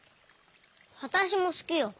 わたしもすきよ。